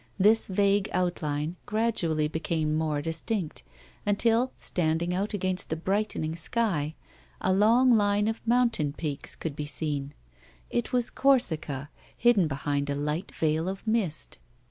This vague outline gradually became more distinct, until, standing out against the brightening sky, a long line of mountain peaks could be seen. It was Corsica, hidden behind a light veilof mist.